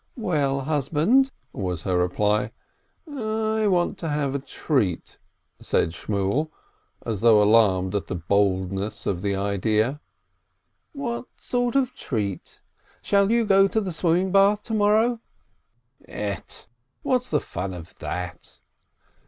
"Well, husband?" was her reply. "I want to have a treat," said Shmuel, as though alarmed at the boldness of the idea. "What sort of a treat? Shall you go to the swim ming bath to morrow ?" "Ett ! What's the fun of that